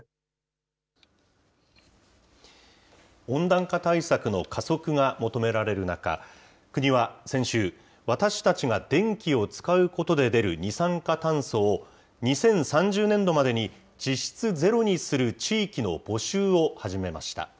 温暖化対策の加速が求められる中、国は先週、私たちが電気を使うことで出る二酸化炭素を、２０３０年度までに実質ゼロにする地域の募集を始めました。